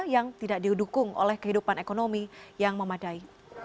yang tidak didukung oleh kehidupan ekonomi yang memadai